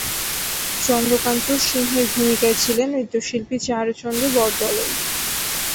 চন্দ্রকান্ত সিংহের ভূমিকায় ছিলেন নৃত্যশিল্পী চারুচন্দ্র বরদলৈ।